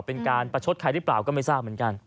เป็นการประชดใครหรือเปล่าก็ไม่ทราบเหมือนกัน